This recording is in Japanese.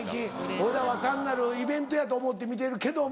俺らは単なるイベントやと思って見てるけども。